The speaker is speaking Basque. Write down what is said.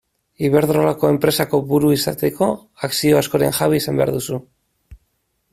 Iberdrolako enpresako buru izateko akzio askoren jabe izan behar duzu.